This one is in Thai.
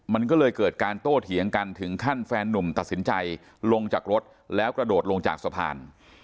มันก็เลยเกิดการโต้เถียงกันถึงขั้นแฟนนุ่มตัดสินใจลงจากรถแล้วกระโดดลงจากสะพาน